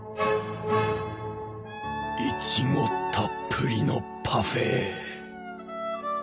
いちごたっぷりのパフェ！